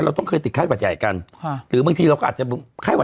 เราต้องเคยติดไข้หวัดใหญ่กันค่ะหรือบางทีเราก็อาจจะไข้หวัด